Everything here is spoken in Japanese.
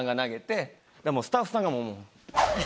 スタッフさんがもう。